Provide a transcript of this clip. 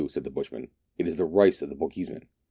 said the bushman ; "it is the rice of the Bochjesmcn."